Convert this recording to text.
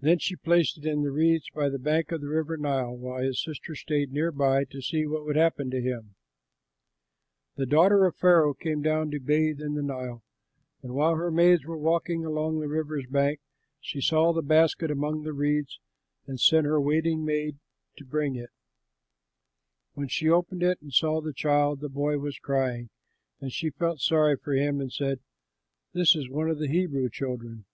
Then she placed it in the reeds by the bank of the river Nile, while his sister stayed near by to see what would happen to him. The daughter of Pharaoh came down to bathe in the Nile, and while her maids were walking along the river's bank, she saw the basket among the reeds and sent her waiting maid to bring it. When she opened it and saw the child, the boy was crying; and she felt sorry for him and said, "This is one of the Hebrew children."